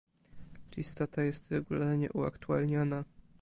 Lista ta jest regularnie uaktualniana